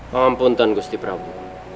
maaf tuan gusti prabu